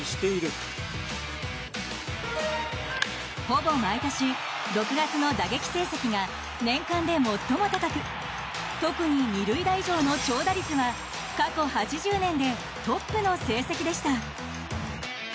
ほぼ毎年、６月の打撃成績が年間で最も高く特に２塁打以上の長打率は過去８０年でトップの成績でした。